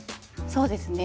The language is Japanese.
そうですね。